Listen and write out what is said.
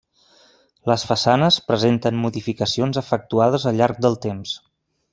Les façanes presenten modificacions efectuades al llarg del temps.